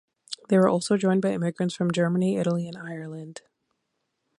They were also joined by immigrants from Germany, Italy, and Ireland.